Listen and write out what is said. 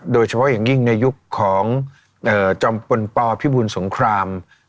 โดยเฉพาะอย่างยิ่งในยุคของจอมพลปพิบูลสงคราม